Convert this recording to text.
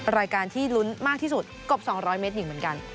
รายการที่ลุ้นมากที่สุดกบ๒๐๐เมตรหญิงเหมือนกัน